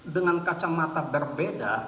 dengan kacamata yang berbeda